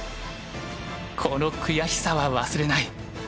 この悔しさは忘れない。